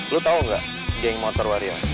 lo tau gak geng motor waria